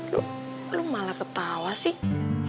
lo lo malah ketawa sih